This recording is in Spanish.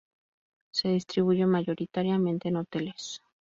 Se distribuye mayoritariamente en hoteles.